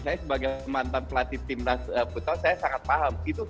saya sebagai mantan pelatih timnas putra saya sangat paham